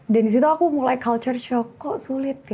dan di situ aku mulai culture shock kok sulit ya